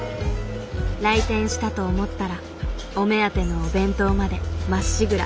来店したと思ったらお目当てのお弁当までまっしぐら。